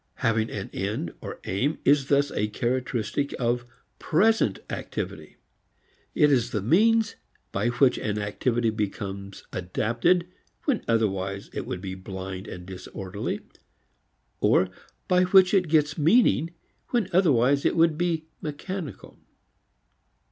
Having an end or aim is thus a characteristic of present activity. It is the means by which an activity becomes adapted when otherwise it would be blind and disorderly, or by which it gets meaning when otherwise it would be mechanical.